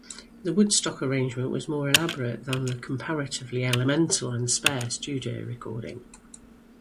The Woodstock arrangement was more elaborate than the comparatively elemental and spare studio recording.